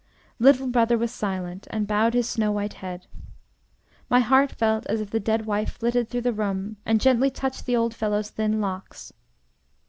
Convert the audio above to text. Little brother was silent, and bowed his snow white head. My heart felt as if the dead wife flitted through the room and gently touched the old fellow's thin locks.